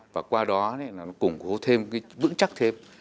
và qua đó cũng vững chắc thêm